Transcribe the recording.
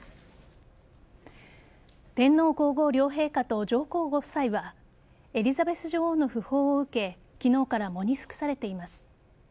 天皇皇后両陛下と上皇ご夫妻はエリザベス女王の訃報を受け昨日から喪に服されています。